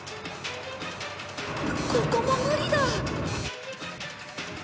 ここも無理だ